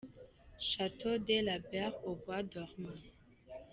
Château de la Belle au bois dormant.